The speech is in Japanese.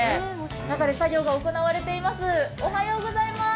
中で作業が行われています。